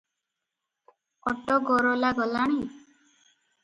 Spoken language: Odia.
ଅଟଗରଲା ଗଲାଣି?